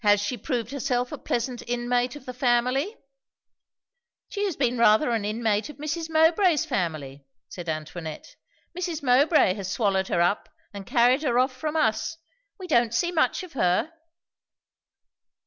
"Has she proved herself a pleasant inmate of the family?" "She has been rather an inmate of Mrs. Mowbray's family," said Antoinette. "Mrs. Mowbray has swallowed her up and carried her off from us. We don't see much of her."